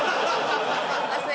すみません。